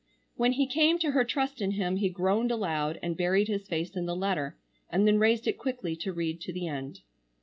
When he came to her trust in him he groaned aloud and buried his face in the letter, and then raised it quickly to read to the end.